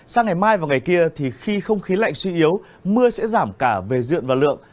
sang ngày mai và ngày kia thì khi không khí lạnh suy yếu mưa sẽ giảm cả về diện và lượng